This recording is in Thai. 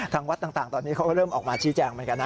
วัดต่างตอนนี้เขาก็เริ่มออกมาชี้แจงเหมือนกันนะ